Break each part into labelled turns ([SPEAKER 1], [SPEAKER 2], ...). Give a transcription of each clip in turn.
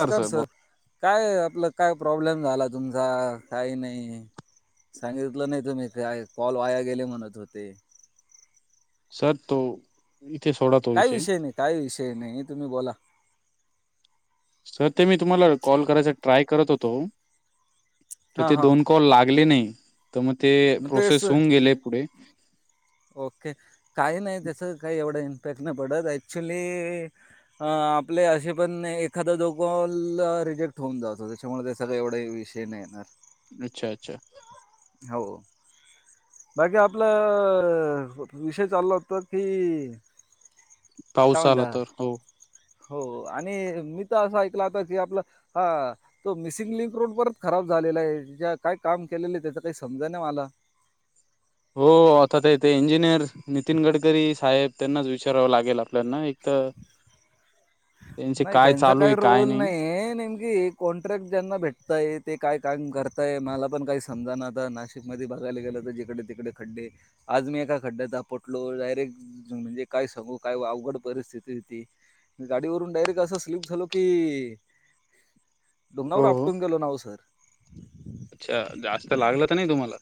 [SPEAKER 1] नमस्कार सर काय आपलं काय प्रॉब्लेम झाला तुमचा काही नाही. सांगितलं नाही तुम्ही काय कॉल वाया गेले म्हणत होते.
[SPEAKER 2] सर तो इथे सोडा
[SPEAKER 1] काही विषय नाही काही विषय नाही तुम्ही बोला.
[SPEAKER 2] सर ते मी तुम्हाला कॉल करायचा ट्राय करत होतो तर
[SPEAKER 1] हां
[SPEAKER 2] ते
[SPEAKER 1] हां
[SPEAKER 2] दोन कॉल लागले नाही तर मग ते
[SPEAKER 1] मग तेच
[SPEAKER 2] प्रोसेस होऊन गेले पुढे
[SPEAKER 1] ओके काही नाही त्याच काही एवढं इम्पॅक्ट नाही पडत ऍक्च्युली अ आपले असे पण एखादा जो को रिजेक्ट होऊन जा हो. त्याच्यामुळे ते सगळे एवढा विषय नाही येणार.
[SPEAKER 2] अच्छा अच्छा.
[SPEAKER 1] हो. बाकी आपलं विषय चालला होत की काय
[SPEAKER 2] पाऊस आला
[SPEAKER 1] म्हणता
[SPEAKER 2] तर हो.
[SPEAKER 1] हो आणि मी तर असं ऐकलं होता की आपलं हा. तो मिसिंग लिंक रोड परत खराब झालेला आहे काय काम केलेलं आहे त्याचा काही समजा नाही मला
[SPEAKER 2] हो आता तेथे इंजिनियर नितीन गडकरी साहेब त्यांनाच विचारावं लागेल आपल्याना एक तर त्यांचे
[SPEAKER 1] नाही
[SPEAKER 2] काय
[SPEAKER 1] त्यांचा
[SPEAKER 2] चालू
[SPEAKER 1] काही
[SPEAKER 2] आहे काय
[SPEAKER 1] रोल नाही नेम की कॉन्ट्रॅक्ट ज्यांना भेटताय ते काय काम करताय मला पण काही समजा नाता नाश शिकमध्ये भाघायला गेलं तर जिकडे तिकडे खड्डे आज मी एका खड्ड्यात पटलो डायरेक्ट म्हणजे काय सांगू काय अवघड परिस्थिती होती. गाडीवरून डायरेक्ट असं स्लप झालो की डोंगावर
[SPEAKER 2] हो हो
[SPEAKER 1] आपटोून गेलं नाव सर
[SPEAKER 2] अच्छा जास्त लागलं तर नाही तुम्हाला?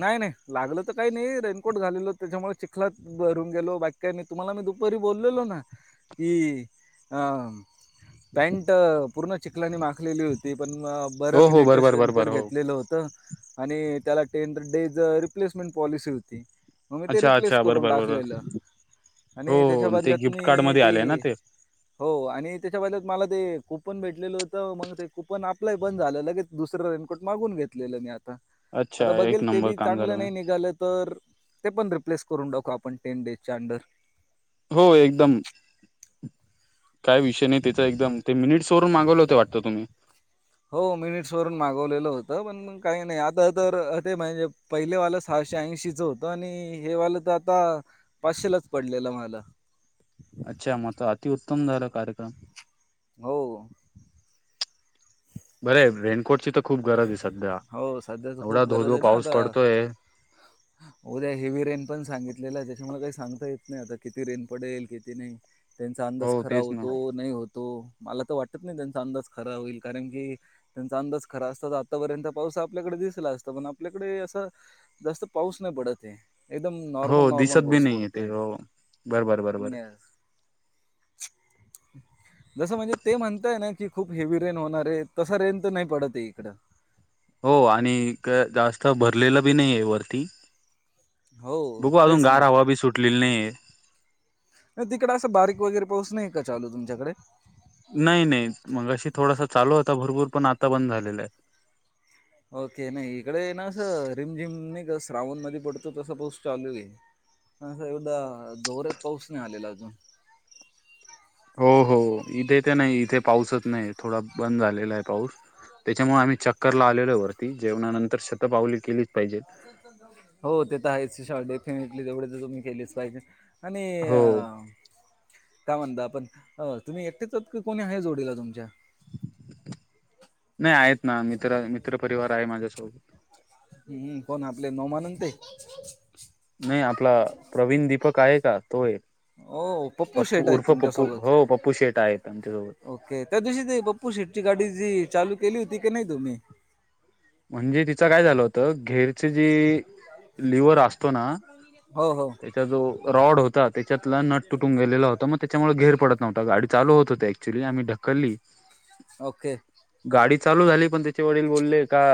[SPEAKER 1] नाही नाही लागलं तर काही नाही रेनकोट झालेलं त्याच्यामुळे चिखलात भरून गेलो बाकी काय मी तुम्हाला मी दुपारी बोललेलो ना कि अ पॅनट पूर्ण चिखलानी माखलेली होती पण बरं
[SPEAKER 2] हो
[SPEAKER 1] मी
[SPEAKER 2] हो
[SPEAKER 1] लेटेस्ट
[SPEAKER 2] बरोबर बरोबर
[SPEAKER 1] रेनकोट
[SPEAKER 2] हो
[SPEAKER 1] घेतलेलं होतं. आणि त्याला टेन डेज रिप्लेसमेंट पॉलिसी होती. मग मी ते
[SPEAKER 2] अच्छा
[SPEAKER 1] रिप्लेस
[SPEAKER 2] अच्छा
[SPEAKER 1] करून
[SPEAKER 2] बरोबर बरोबर
[SPEAKER 1] टाकलेलं.
[SPEAKER 2] हो
[SPEAKER 1] आणि त्याच्या
[SPEAKER 2] हो, ते
[SPEAKER 1] बदल्यात म
[SPEAKER 2] गिफ्ट कार्ड मध्ये
[SPEAKER 1] ती
[SPEAKER 2] आले ना ते
[SPEAKER 1] हो आणि त्याच्या बाहिद मला ते कूपन भेटलेलं होतं मग ते कूपन आपलंही बंद झालं लगेच. दुसरं रेनकोट मागून घेतलेलं मी आता आता
[SPEAKER 2] अच्छा एक
[SPEAKER 1] बघेल ते
[SPEAKER 2] नंबर
[SPEAKER 1] बी
[SPEAKER 2] काम झालं
[SPEAKER 1] चांगलं
[SPEAKER 2] मॅम.
[SPEAKER 1] नाही निघालत. तर ते पण रिप्लेस करून टाकव आपण टेन डेज च्या अंडर
[SPEAKER 2] हो एकदम काय विषय नाही त्याच एकदम ते मिनिटस वरून मागवलं होते वाटतं तुम्ही?
[SPEAKER 1] हो मिनिट्स वरून मागवलेलं होतं पण म काही नाही आता तर ते म्हणजे पहिले वालं सा
[SPEAKER 2] अच्छा म त अतिउत्तम झाल कार्य
[SPEAKER 1] हो हो.
[SPEAKER 2] बरये रेनकोट ची तर खूप गरज आहे सध्या
[SPEAKER 1] हो सध्या
[SPEAKER 2] एवढा धो धो पाऊस पडतोय.
[SPEAKER 1] हा हा. उद्या हेवी रेन पण सांगितलेला आहे त्याच्यामुळं काही सांगता येत नाही आता किती रेन पडेल किती नाही. त्यांचा अंदाज
[SPEAKER 2] हो
[SPEAKER 1] खरा
[SPEAKER 2] तेच ना.
[SPEAKER 1] होतो, नाही होतो, मला त वाटत नाही त्यांचा अंदाज खरा होईल कारण की त्यांचा अंदाज खरा आतापर्यंत पाऊस आपल्याकडे दिसला असता पण आपल्याकडे असं जास्त पाऊस नाही पडते. एकदम नॉर्मल
[SPEAKER 2] हो
[SPEAKER 1] नॉर्मल
[SPEAKER 2] दिसत बी
[SPEAKER 1] पाऊस
[SPEAKER 2] नाहीये ते
[SPEAKER 1] पडतोय
[SPEAKER 2] हो बर बर बर बर.
[SPEAKER 1] न्या [inaudible] जसं म्हणजे ते म्हणतय ना की खूप हेवी रेन होणार आहे तसं रेन तर नाही पडते इकडं.
[SPEAKER 2] हो आणिक जास्त भरलेलं बी नइये वरती.
[SPEAKER 1] हो
[SPEAKER 2] बघू अजून
[SPEAKER 1] तेच
[SPEAKER 2] गार
[SPEAKER 1] ना
[SPEAKER 2] हवा बी सुटलेली नइये.
[SPEAKER 1] नाही तिकड असं बारीक वगैरे पाऊस नाही का चालू तुमच्याकडे?
[SPEAKER 2] नाही नाही मगाशी थोडासा चालू होता भरपूर पण आता बंद झालेला आहे.
[SPEAKER 1] ओके नाई इकडे ना आसं रिम झिम नई का श्रावण मध्ये पडतो तसं पाऊस चालू आहे. अ असा एवदा जोरात पाऊस नाई आलेला अजून.
[SPEAKER 2] हो हो इथे ते नाही इथे पाऊसच नाही थोडा बंद झालेला आहे पाऊस. त्याच्यामुळे आम्ही चक्करला आलेलोय वरती जेवणानंतर शतपावली केलीच पाहिजेत.
[SPEAKER 1] हो ते त आहेचशा डेफिनेटली तेवढच तुम्ही केलीच पाहिजे आणि अ
[SPEAKER 2] हो.
[SPEAKER 1] काय म्हणता पण अ तुम्ही एकटेच आहात कोणी आहे जोडीला तुमच्या?
[SPEAKER 2] नाही आहेत ना मित्र मित्रपरिवार आहे माझ्यासोबत.
[SPEAKER 1] हमम पण आपले नोमानन ते
[SPEAKER 2] नाही आपला प्रवीण दीपक आहे का तोये.
[SPEAKER 1] ओ
[SPEAKER 2] पप्पू
[SPEAKER 1] शेट आहेत
[SPEAKER 2] उर्फ पप्पू
[SPEAKER 1] तुमच्यासोबत.
[SPEAKER 2] हो पप्पू शेठ आहेत आमच्यासोबत.
[SPEAKER 1] त्या दिवशी ते पप्पू शेटची गाडी जी चालू केली होती की नाही तुम्ही?
[SPEAKER 2] म्हणजे तिचं काय झालं होतं घेर च्यजी
[SPEAKER 1] हो हो.
[SPEAKER 2] त्या जो रॉड होता त्याच्यातला नट तुटून गेलेला होता म त्याच्यामुळे घेर पडत नव्हता गाडी चालू होत होते. [unintelligible] ढकलली.
[SPEAKER 1] ओके,
[SPEAKER 2] गाडी चालू झाली पण त्याच्या वडील बोलले का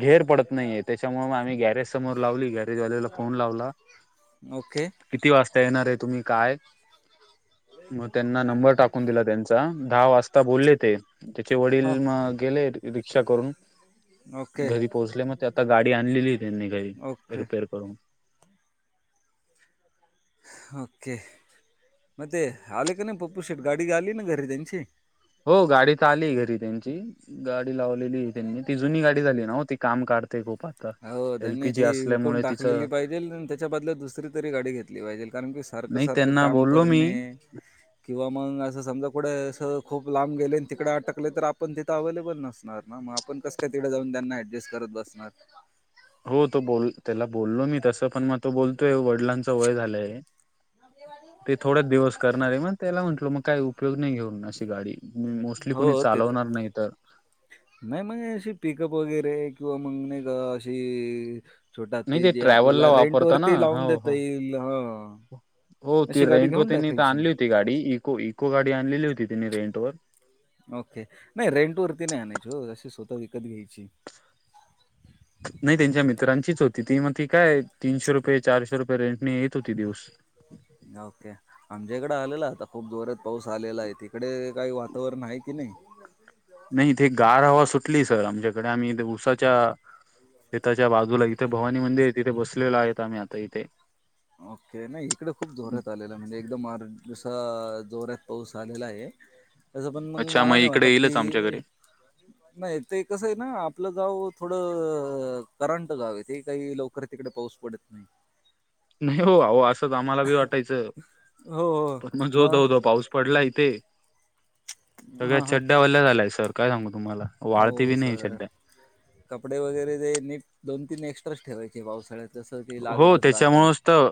[SPEAKER 2] घेर पडत नाहीये त्याच्यामुग आम्ही गॅरेज समोर लावली गॅरेजवाल्याला फोन लावला
[SPEAKER 1] ओके.
[SPEAKER 2] किती वाजता येणार आहे तुम्ही? काय. मग त्यांना नंबर टाकून दिला त्यांचा दहा वाजता बोलले ते त्याचे वडील
[SPEAKER 1] हां
[SPEAKER 2] मग गेले रि रिक्षा करून.
[SPEAKER 1] ओके
[SPEAKER 2] घरी पोहोचले म ते आता गाडी आणलेली आहे त्यांनी घरी
[SPEAKER 1] ओके
[SPEAKER 2] रिपेर करून.
[SPEAKER 1] ओके, म ते आले का नाही पप्पू शेठ गाडी आली ना घरी त्यांची?
[SPEAKER 2] हो गाडी त आली घरी त्यांची गाडी लावलेली आहे त्यांनी ती जुनी गाडी झाली ना हो ती काम काढ ते गोपाळ.
[SPEAKER 1] हो, त्यांनी ती विकून टाकलेली पाहिजेल अन त्याच्या बदल्यात दुसरी तरी गाडी घेतली पाहिजे कारण की सारखं
[SPEAKER 2] नाही
[SPEAKER 1] सारखं
[SPEAKER 2] त्यांना
[SPEAKER 1] काम
[SPEAKER 2] बोललो मी
[SPEAKER 1] करणे. किंवा मंग असं समजा कुड असं खूप लांब गेले न तिकडे अटकले तर आपण तिथं अव्हेलेबल नसणार. म म आपण कस काय तिकडे जाऊन त्यांना ऍडजेस्ट करत बसणार.
[SPEAKER 2] हो तो बोल त्याला बोललो मी तसं पण मग तो बोलतोय वडिलांच वय झालंय ते थोडच दिवस करणार आहे मग त्याला म्हंटल मग काय उपयोग नाही घेऊन अशी गाडी. मोस्टली कोणी
[SPEAKER 1] हो ते
[SPEAKER 2] चालवणार नाही तर?
[SPEAKER 1] नाही मगाशी पिकअप वगैरे किंवा मग नाही का आशी छोटा
[SPEAKER 2] नाही
[SPEAKER 1] हत्ती
[SPEAKER 2] ते
[SPEAKER 1] जे
[SPEAKER 2] ट्रॅव्हलला
[SPEAKER 1] आपल्याला
[SPEAKER 2] वापरता ना
[SPEAKER 1] रेंटवरती लावून
[SPEAKER 2] हो
[SPEAKER 1] देता
[SPEAKER 2] हो
[SPEAKER 1] येईल हा.
[SPEAKER 2] हो
[SPEAKER 1] आशी गाडी
[SPEAKER 2] रेंटवर
[SPEAKER 1] घेऊन
[SPEAKER 2] त्यांनी तर
[SPEAKER 1] टाकायची.
[SPEAKER 2] आणली होती ती गाडी इको इको गाडी आणलेली होती तिने रेंट वर
[SPEAKER 1] ओके नाही रेंट वरती नाही आणायची हो अशी स्वतः विकत घ्यायची.
[SPEAKER 2] नाही त्यांच्या मित्रांचीच होती ती म ती काय तीनशे रुपये चारशे रुपये रेंटने येत होती दिवस
[SPEAKER 1] ओके आमच्या इकडे आलेला आता खूप जोरात पाऊस आलेला आहे तिकडे? काय वातावरण आहे की नाही?
[SPEAKER 2] नाही ते गार हवा सुटली सर आमच्याकडे आम्ही ऊसाच्या शेताच्या बाजूला इथे भवानी मंदिर आहे तिथे बसलेलं आहे आता आम्ही आता इथे.
[SPEAKER 1] ओके नाही इकडे खूप जोरात आलेला म्हणजे एकदम अ जसा जोऱ्यात पाऊस आलेला आहे. तसं पण मग
[SPEAKER 2] अच्छा
[SPEAKER 1] मला नाही
[SPEAKER 2] इकडे
[SPEAKER 1] वाटत
[SPEAKER 2] येईलच
[SPEAKER 1] कि
[SPEAKER 2] आमच्याकडे
[SPEAKER 1] नाही ते कसं आहे ना आपलं गाव थोडं करंट गाव आहे ते काही लवकर तिकडे पाऊस पडत नाही.
[SPEAKER 2] नाही हो आहो असंच आम्हाला बी वाटायचं
[SPEAKER 1] हो,
[SPEAKER 2] पण
[SPEAKER 1] हो.
[SPEAKER 2] मग जो धो-धो पाऊस पडला इथे सगळ्या
[SPEAKER 1] हां, हां.
[SPEAKER 2] चड्डया वल्या झाल्या सर काय सांगू तुम्हाला वाळती बी
[SPEAKER 1] हो
[SPEAKER 2] नाही
[SPEAKER 1] सर
[SPEAKER 2] चड्ड्या.
[SPEAKER 1] कपडे वगैरे ते नीट दोन तीन एक्स्ट्राच ठेवायचे पावसाळ्यात. जस की
[SPEAKER 2] हो
[SPEAKER 1] लागतच राहत
[SPEAKER 2] त्याच्यामुळेच तर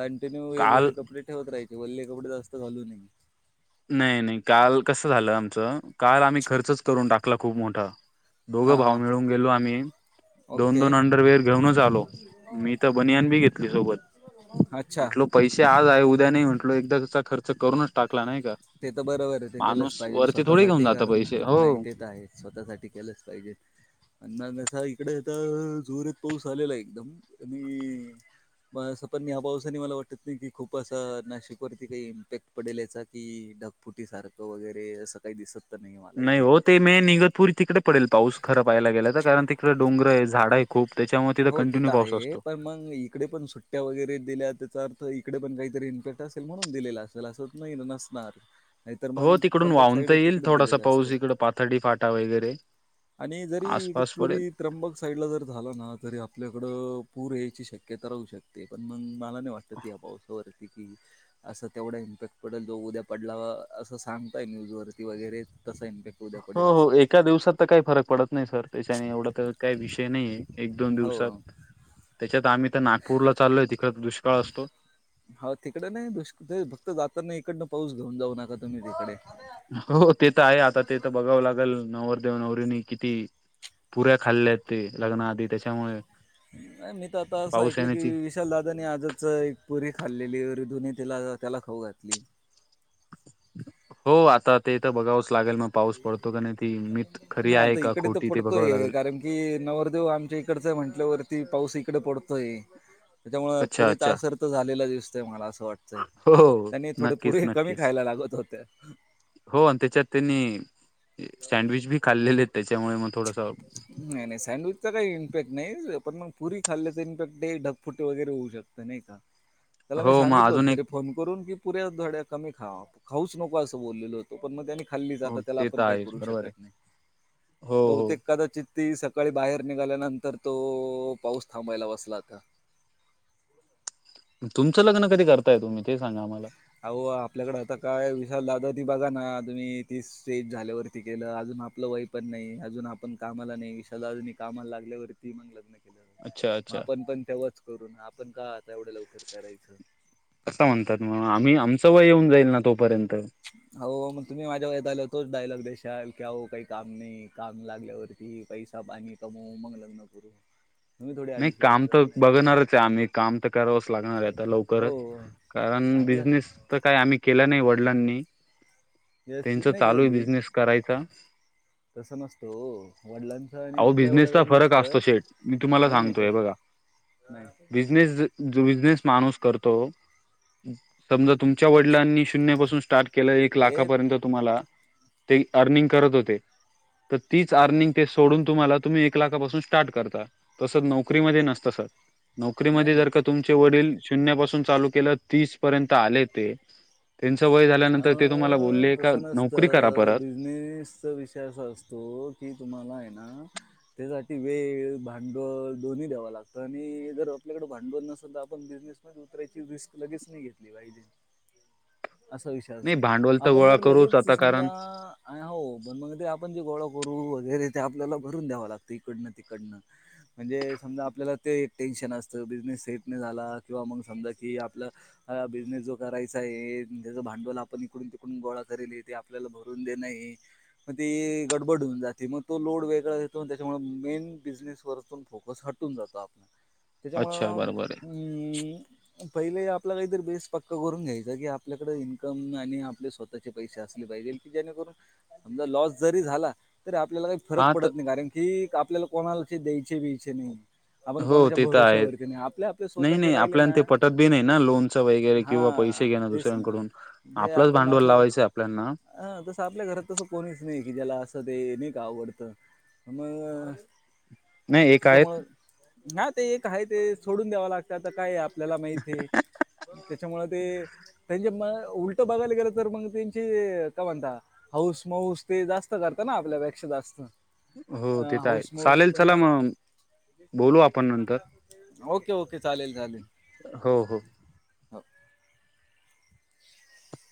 [SPEAKER 1] कंटिन्यू
[SPEAKER 2] काल
[SPEAKER 1] वेगवेगळे कपडे ठेवत राहाचे वल्ले कपडे जास्त घालू नये.
[SPEAKER 2] नाही नाही काल कसं झालं आमचं काल आम्ही खर्चच करून टाकला खूप मोठा. दोघं
[SPEAKER 1] हां
[SPEAKER 2] भाव
[SPEAKER 1] हां
[SPEAKER 2] मिळून गेलो आम्ही दोन
[SPEAKER 1] ओके
[SPEAKER 2] दोन अंडरवेअर घेऊनच आलो मी तर बनियान बी घेतली सोबत.
[SPEAKER 1] अच्छा
[SPEAKER 2] म्हटलो पैसे आज आहे उद्या नाही म्हटलो एकदाचा खर्च करूनच टाकला नाही का.
[SPEAKER 1] ते तर बरोबर आहे ते केलंच
[SPEAKER 2] माणूस
[SPEAKER 1] पाहिजे
[SPEAKER 2] वरती थोडे घेऊन
[SPEAKER 1] स्वतःसाठी
[SPEAKER 2] जात
[SPEAKER 1] कारण
[SPEAKER 2] पैसे हो
[SPEAKER 1] नाही ते त आहे. स्वतःसाठी केलंच पाहिजे. अण्णा नसा इकडे त जोरत पाऊस आलेला एकदम आणि प अस पण मी या पावसानी मला वाटत नाही की खूप असं नाशिकवरती काही इम्पॅक्ट पडेल याचा कि ढगफुटी सारखं वगैरे असं काही दिसत त नाही हे मला इथे
[SPEAKER 2] ते मे निगतपूर तिकड पडेल पाऊस खरा पाहाला गेल तर कारण तिकडे डोंगर ये झाडं हे खूप त्याच्यामुळे तिथं
[SPEAKER 1] हो ते
[SPEAKER 2] कंटिन्यू
[SPEAKER 1] तर
[SPEAKER 2] पाऊस
[SPEAKER 1] आहे
[SPEAKER 2] असतो.
[SPEAKER 1] पण मग इकडे पण सुट्टया वगैरे दिल्या तेचा अर्थ इकडे पण काहीतरी इम्पॅक्ट असेल म्हणून दिलेला असल असं नाही ना नसणार नाहीतर मग
[SPEAKER 2] हो तिकडून
[SPEAKER 1] त्र्यंबक
[SPEAKER 2] वाहून त
[SPEAKER 1] साईड
[SPEAKER 2] येईल
[SPEAKER 1] तिकडेच
[SPEAKER 2] थोडासा
[SPEAKER 1] दिलेले
[SPEAKER 2] पाऊस
[SPEAKER 1] असते.
[SPEAKER 2] इकड पाथडी फाटा वगैरे
[SPEAKER 1] आणि जरी
[SPEAKER 2] आसपास पडेल
[SPEAKER 1] तुरी त्र्यंबक साईडला जर झालं ना तरी आपल्याकडं पूर यायची शक्यता राहू शकते पण मग मला नाही वाट त या पावसावरती की असं तेवढा इम्पॅक्ट पडेल जो उद्या पडला असं सांगतय न्यूज वरती वगैरे तसं इम्पॅक्ट उद्या
[SPEAKER 2] हो
[SPEAKER 1] पडेल
[SPEAKER 2] हो
[SPEAKER 1] असं
[SPEAKER 2] एका दिवसात तर काही फरक पडत नाही सर. तेच्याने एवढा का काही विषय नाहीहे एक दोन
[SPEAKER 1] हो
[SPEAKER 2] दिवसात त्याच्यात आम्ही तर नागपूरला चालोय तिकडे दुष्काळ असतो.
[SPEAKER 1] हा तिकडे नाही दु दे फक्त जाताना इकडनं पाऊस घेऊन जाऊ नका तुम्ही तिकडे.
[SPEAKER 2] हो ते तर आहे आता ते तर बघावं लागेल नवरदेव नवरीनी किती पुऱ्या खाल्ल्या ते लग्नाआधी त्याच्यामुळे
[SPEAKER 1] नाही मी तर आता असं
[SPEAKER 2] पाऊस
[SPEAKER 1] ऐकलं
[SPEAKER 2] येण्याची
[SPEAKER 1] [unintelligible] दादानी आजच एक पुरी खाल्लेली वर धुनी तिला त्याला खाऊ घातली.
[SPEAKER 2] हो आता ते त बघावच लागल ना. पाऊस पडतो का नाही ती मीठ खरी आहे का खोटी ते बघावं लागल.
[SPEAKER 1] कि नवरदेव आमच्या इकडच आहे म्हटल्यावरती पाऊस इकड पडतोय. त्याच्यामुळं
[SPEAKER 2] अच्छा अच्छा
[SPEAKER 1] पुरीतआसर तर झालेला दिसतय मला असं वाटतंय.
[SPEAKER 2] हो हो
[SPEAKER 1] त्यांनी थोडे
[SPEAKER 2] नक्कीच
[SPEAKER 1] पुरे कमी
[SPEAKER 2] नक्कीच
[SPEAKER 1] खायला लागत होते.
[SPEAKER 2] हो आणि त्याच्यात त्यांनी सँडविच बी खाल्लेलेत त्याच्यामुळे मग थोडस
[SPEAKER 1] नाही नाही सँडविचचा काही इफेक्ट नाही पण मग पुरी खाल्ल्याचं इफेक्ट ढगफुटे वगैरे [inaudible] त्याला काय
[SPEAKER 2] हो मग
[SPEAKER 1] सांगितल होत
[SPEAKER 2] अजून एक
[SPEAKER 1] तरी फोन करून की पुऱ्या थोड्या कमी पण मग त्यानी खाल्ली
[SPEAKER 2] हो
[SPEAKER 1] आता त्याला
[SPEAKER 2] ते तर
[SPEAKER 1] आपण काही
[SPEAKER 2] आहे
[SPEAKER 1] करू
[SPEAKER 2] बरोबर
[SPEAKER 1] शक
[SPEAKER 2] आहे हो
[SPEAKER 1] बहुतेक
[SPEAKER 2] हो
[SPEAKER 1] कदाचित ते सकाळी बाहेर निघाल्यानंतर तो पाऊस थांबायला बसला आता.
[SPEAKER 2] तुमचं लग्न कधी करताय तुम्ही ते सांगा आम्हाला?
[SPEAKER 1] अहो आपल्याकडे आता काय विशाल दादा ती बघा ना तुम्ही ती स्टेज झाल्यावरती केलं अजून आपलं वय पण नाही, अजून आपण कामाला नाही सधा अजूनही कामाला लागल्यावरती मग लग्न.
[SPEAKER 2] अच्छा
[SPEAKER 1] मग
[SPEAKER 2] अच्छा
[SPEAKER 1] आपण पण तेव्हाच करून आपण का आता एवढं लवकर करायचं.
[SPEAKER 2] अस म्हणतात म आम्ही आमचं वय येऊन जाईल ना तोपर्यंत.
[SPEAKER 1] [inaudible] की पैसा पाणी कमव मग लग्न करू. तुम्ही थोडी
[SPEAKER 2] नाही
[SPEAKER 1] आधीच लग्न
[SPEAKER 2] काम तर
[SPEAKER 1] करणार
[SPEAKER 2] बघणारच आहे आम्ही. काम तर करावंच लागणार आहे आता लवकरच.
[SPEAKER 1] हो
[SPEAKER 2] कारण
[SPEAKER 1] आपलं
[SPEAKER 2] बिझनेस तर काही आम्ही केला नाही वडिलांनी. त्यांच
[SPEAKER 1] व्यवस्थित नाही ते
[SPEAKER 2] चालू आहे
[SPEAKER 1] बिझ
[SPEAKER 2] बिझनेस करायचा.
[SPEAKER 1] तसं नसतो ओ वडिलांच आणि
[SPEAKER 2] अहो
[SPEAKER 1] आपला एवढं
[SPEAKER 2] बिझनेसचा
[SPEAKER 1] हे
[SPEAKER 2] फरक
[SPEAKER 1] नसत
[SPEAKER 2] असतो
[SPEAKER 1] नाही नाही तस
[SPEAKER 2] बिजनेस जो बिझनेस माणूस करतो समजा तुमच्या वडिलांनी शून्य पाासून स्टार्ट केलं एक
[SPEAKER 1] ते
[SPEAKER 2] लाखापर्यंत तुम्हाला ते अर्निंग करत होते, तर तीच अर्निंग ते सोडून तुम्हाला तुम्ही एक लाखापासून स्टार्ट करता, तसं नोकरीमध्ये नसतं सर.
[SPEAKER 1] नाही
[SPEAKER 2] नोकरीमध्ये
[SPEAKER 1] नाही
[SPEAKER 2] जर का तुमचे वडील शून्या पाासून चालू केलं तीस पर्यंत आले ते त्यांचं वय झाल्यानंतर ते तुम्हाला
[SPEAKER 1] अहो
[SPEAKER 2] बोलले का
[SPEAKER 1] तसं
[SPEAKER 2] नोकरी करा
[SPEAKER 1] नसतं
[SPEAKER 2] परत.
[SPEAKER 1] [unintelligible] विषय असा असतो की तुम्हाला आहे ना त्यासाठी वेळ, भांडवल दोन्ही द्याव लागतं आणि जर आपल्याकडें भांडवल नसेल तर आपण बिझनेस उतरायची रिस्क लगेच नाही घेतली पाहिजे. असा विषय
[SPEAKER 2] नाही
[SPEAKER 1] असतो.
[SPEAKER 2] भांडवल तर
[SPEAKER 1] आपण
[SPEAKER 2] गोळा
[SPEAKER 1] जर
[SPEAKER 2] करूच
[SPEAKER 1] लगेच
[SPEAKER 2] आता कारण
[SPEAKER 1] समजा आणि हो पण मग ते आपण जे गोळा करून वगैरे ते आपल्याला भरून द्यावं लागतं इकडनं तिकडनं. म्हणजे समजा आपल्याला ते एक टेन्शन असतं बिझनेस सेट नाही झाला किंवा मग समजा कि आपलं हा बिझनेस जो करायचा आहे. त्याच भांडवल आपण इकडून तिकडून गोळा करेल ये ते आपल्याला भरून देणं हे. म ते गडबड होऊन जाते मग तो लोड वेगळा येतो त्याच्यामुळे मेन बिझनेस वरतून फोकस हट कून जातो आपण.
[SPEAKER 2] अच्छा
[SPEAKER 1] त्याच्यामुळं
[SPEAKER 2] बरोबर आहे
[SPEAKER 1] अम पहिले आपला काहीतरी बेस पक्का करून घ्यायचा की आप आपल्याकडे इन्कम आणि आपले स्वतःचे पैसे असले पाहिजेल की जेणेकरून समजा लॉस जरी झाला तरी आपल्याला फरक
[SPEAKER 2] हा तर
[SPEAKER 1] पडत नाही कारण की आपल्याला कोणाला द्यायचे ब्यायचे नाही. आपण
[SPEAKER 2] हो
[SPEAKER 1] कोणाच्या
[SPEAKER 2] ते तर आहेत
[SPEAKER 1] भरोश्यावरती नाही आपले आपले
[SPEAKER 2] नाही
[SPEAKER 1] स्वतःचे
[SPEAKER 2] नाही
[SPEAKER 1] राहिले
[SPEAKER 2] आपल्या
[SPEAKER 1] ना
[SPEAKER 2] ते पटत बी नाही ना लोन वगैरे
[SPEAKER 1] हा
[SPEAKER 2] किंवा पैसे घेणं
[SPEAKER 1] तेच ना
[SPEAKER 2] दुसऱ्यांकडून आपलंच भांडवल लावायचं आपल्यांना.
[SPEAKER 1] अ तसं आपल्या घरात तसं कोणीच नाही की ज्याला असं ते नाही का आवडतं. मग
[SPEAKER 2] नाही एक आहेत
[SPEAKER 1] त्याच्यामुळं नाय ते एक आहे ते सोडून द्यावं लागतं आता काय आप ल्याला माहिते, त्याच्यामुळ ते त्यांचे मग उलट बघायला गेलं तर मग त्यांची काय म्हणता? हौस मऊस ते जास्त करत ना आपल्यापेक्षा जास्त.
[SPEAKER 2] हो
[SPEAKER 1] अ
[SPEAKER 2] ते तर आहे
[SPEAKER 1] हाऊस माऊस
[SPEAKER 2] चालेल
[SPEAKER 1] पण
[SPEAKER 2] चला मग बोलू आपण नंतर.
[SPEAKER 1] Okay okay. चालेल चालेल. हो.
[SPEAKER 2] हो- हो
[SPEAKER 1] [inaudible]